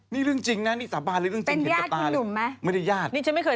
ไม่ได้ญาติถ้าอย่างนี้ไม่เคยได้ยินว่าใคร